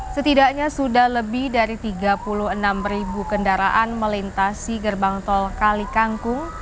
setidaknya sudah lebih dari tiga puluh enam ribu kendaraan melintasi gerbang tol kali kangkung